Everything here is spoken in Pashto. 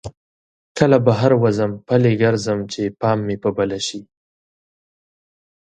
کله بهر وځم پلی ګرځم چې پام مې په بله شي.